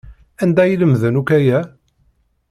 Anda ay lemden akk aya?